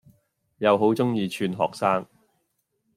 又好鍾意串學生⠀